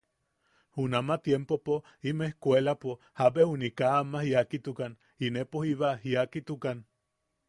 Junama tiempopo im ejkkuelapo jabe juni kaa jiakitukan, inepo jiba jiakitukan.